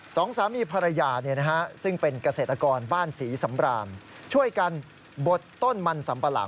สองสามีภรรยาซึ่งเป็นเกษตรกรบ้านศรีสำบราณ